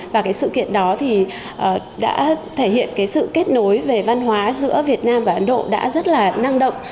và sự kiện đó đã thể hiện sự kết nối về văn hóa giữa việt nam và ấn độ đã rất là năng động